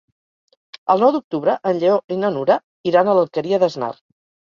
El nou d'octubre en Lleó i na Nura iran a l'Alqueria d'Asnar.